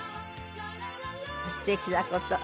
すてきだこと。